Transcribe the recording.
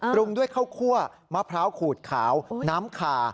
ปรุงด้วยข้าวคั่วมะพร้าวขูดขาวน้ำคา